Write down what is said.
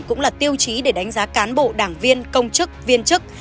cũng là tiêu chí để đánh giá cán bộ đảng viên công chức viên chức